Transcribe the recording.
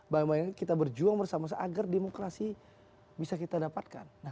banyak kita berjuang bersama sama agar demokrasi bisa kita dapatkan